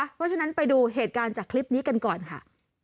เพราะฉะนั้นไปดูเหตุการณ์จากคลิปนี้กันก่อนค่ะ